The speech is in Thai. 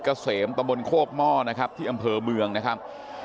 กระเสวตามนโคบม่อนะครับที่อำเภอเมืองนะครัว